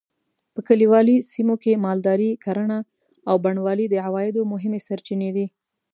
په کلیوالي سیمو کې مالداري؛ کرهڼه او بڼوالي د عوایدو مهمې سرچینې دي.